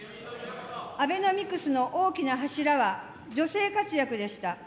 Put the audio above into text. アベノミクスの大きな柱は、女性活躍でした。